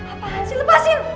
apaan sih lepasin